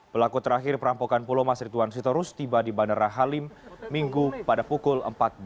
pelaku terakhir perampokan pulau mas rituan sitorus tiba di bandara halim minggu pada pukul empat belas